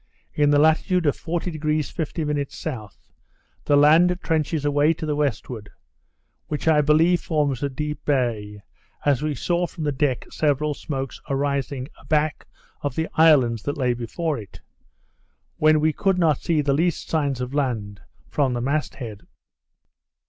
In the latitude of 40° 50' S., the land trenches away to the westward, which I believe forms a deep bay, as we saw from the deck several smokes arising a back of the islands that lay before it, when we could not see the least signs of land from the mast head.